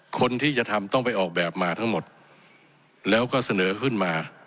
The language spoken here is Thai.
คนที่จะทำต้องไปออกแบบมาทั้งหมดแล้วก็เสนอขึ้นมา